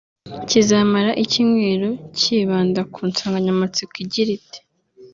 kizamara icyumweru cyibanda ku nsanganyamatsiko igira iti